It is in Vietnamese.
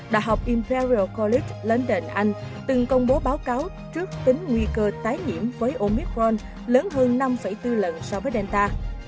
đại học imperial college london anh từng công bố báo cáo trước tính nguy cơ tái nhiễm với omicron lớn hơn năm bốn lần so với delta